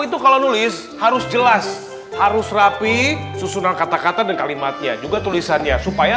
itu kalau nulis harus jelas harus rapi susunan kata kata dan kalimatnya juga tulisannya supaya